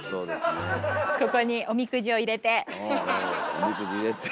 おみくじ入れて。